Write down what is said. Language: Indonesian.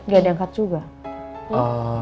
gak diangkat juga